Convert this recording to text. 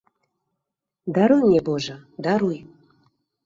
Даруй мне, божа, даруй!